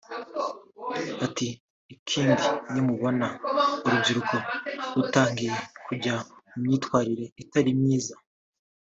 Ati “Ikindi nimubona urubyiruko rutangiye kujya mu myitwarire itari myiza